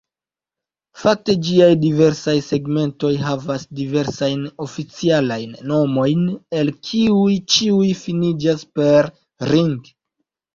Fakte ĝiaj diversaj segmentoj havas diversajn oficialajn nomojn, el kiuj ĉiuj finiĝas per "-ring".